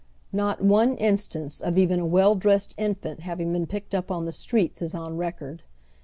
Not one in stance of even a well dressed infant having been picked up in the streets is on record.